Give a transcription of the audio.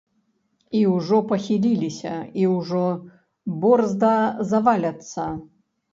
І ўжо пахіліліся, і ўжо борзда заваляцца.